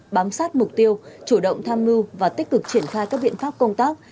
bám sát mục tiêu chủ động tham mưu và tích cực triển khai các biện pháp công tác